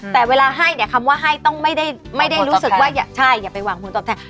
แต่เวลาให้เนี่ยคำว่าให้ต้องไม่ได้รู้สึกว่าอย่าใช่อย่าไปหวังผลตอบแทน